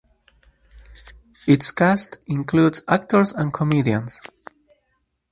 Its cast includes actors and comedians.